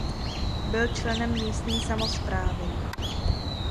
Byl členem místní samosprávy.